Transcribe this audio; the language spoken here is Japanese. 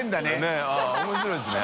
ねぇ面白いですね